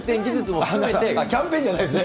キャンペーンじゃないです。